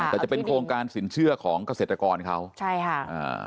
แต่จะเป็นโครงการสินเชื่อของเกษตรกรเขาใช่ค่ะอ่า